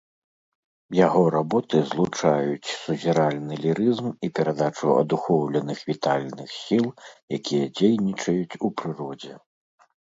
Яго работы злучаюць сузіральны лірызм і перадачу адухоўленых вітальных сіл, якія дзейнічаюць у прыродзе.